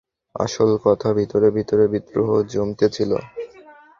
আসল কথা, ভিতরে ভিতরে বিদ্রোহ জমিতেছিল।